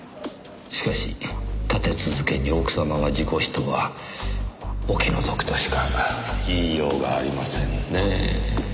しかし立て続けに奥様が事故死とはお気の毒としか言いようがありませんねぇ。